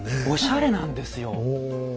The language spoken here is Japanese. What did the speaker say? おしゃれなんですよ。